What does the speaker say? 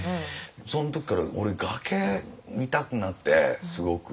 そん時から俺崖見たくなってすごく。